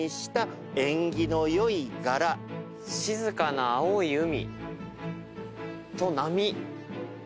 「静かな青い海」と「波」